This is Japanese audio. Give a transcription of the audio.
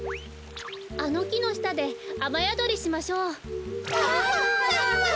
あのきのしたであまやどりしましょう。わ！